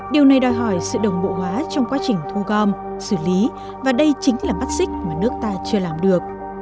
điều này đòi hỏi sự đồng bộ hóa trong quá trình thu gom xử lý và đây chính là mắt xích mà nước ta chưa làm được